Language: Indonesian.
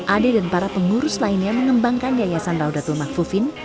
ade dan para pengurus lainnya mengembangkan yayasan raudatal makfufin